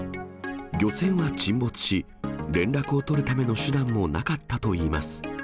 漁船は沈没し、連絡を取るための手段もなかったといいます。